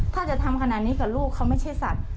ถ้าจะทำขนาดนี้กับลูกเขาไม่ใช่สัตว์